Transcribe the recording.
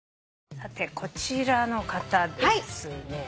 こちらの方ですね。